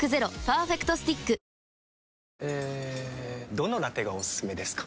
どのラテがおすすめですか？